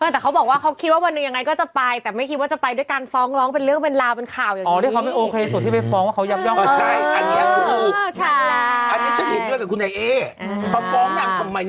แต่เขาบอกว่าเขาคิดว่าวันหนึ่งยังไงก็จะไปแต่ไม่คิดว่าจะไปด้วยการฟ้องร้องเป็นเรื่องเป็นราวเป็นข่าวอย่างนี้